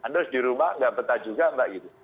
terus di rumah enggak petah juga mbak gitu